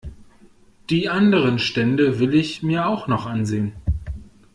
Die anderen Stände will ich mir auch noch ansehen.